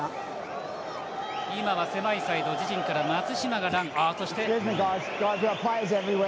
今は狭いサイド、自陣から松島がラン。